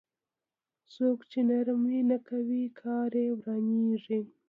څوک چې نرمي نه کوي کار يې ورانېږي.